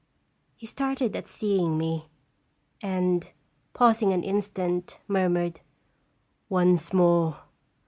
He started at seeing me, and, pausing an instant, murmured, "Once more!"